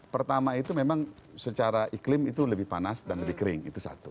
pertama itu memang secara iklim itu lebih panas dan lebih kering itu satu